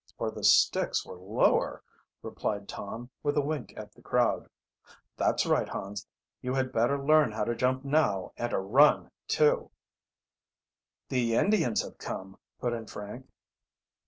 "Or the sticks were lower," replied Tom, with a wink at the crowd. "That's right, Hans, you had better learn how to jump now, and to run, too." "The Indians have come," put in Frank.